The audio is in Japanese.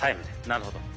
なるほど。